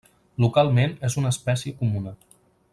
Localment és una espècie comuna.